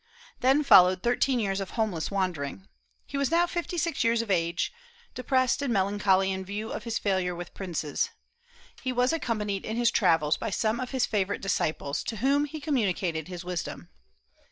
Then followed thirteen years of homeless wandering. He was now fifty six years of age, depressed and melancholy in view of his failure with princes. He was accompanied in his travels by some of his favorite disciples, to whom he communicated his wisdom.